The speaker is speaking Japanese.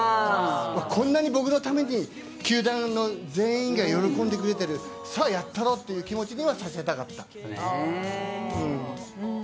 こんなに僕のために球団の全員が喜んでくれている、さあやったろうという気持ちにはさせたかった。